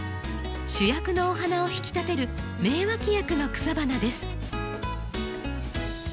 主役のお花を引き立てる名脇役の草花です。